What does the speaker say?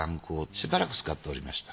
しばらく使っておりました。